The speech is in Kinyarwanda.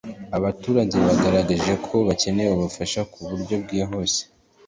Abaturage bagaragaje ko bakeneye ubufasha ku buryo bwihuse